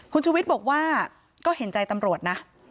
คุณชุวิตบอกว่าก็เห็นใจตำรวจนะ